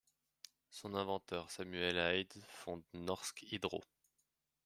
Son inventuer Samuel Eyde fonde Norsk Hydro.